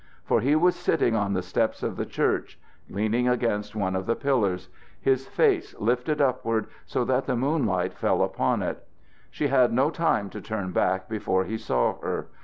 For he was sitting on the steps of the church, leaning against one of the pillars, his face lifted upward so that the moonlight fell upon it. She had no time to turn back before he saw her.